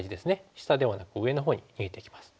下ではなく上のほうに逃げていきます。